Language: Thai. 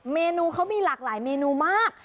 เมนูเขามีหลากหลายเมนูมาก